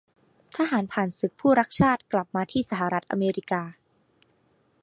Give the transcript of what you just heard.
ทหารผ่านศึกผู้รักชาติกลับมาที่สหรัฐอเมริกา